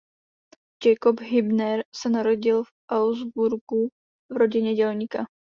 Jacob Hübner se narodil v Augsburgu v rodině dělníka.